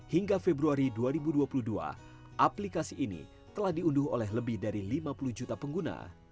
hingga februari dua ribu dua puluh dua aplikasi ini telah diunduh oleh lebih dari lima puluh juta pengguna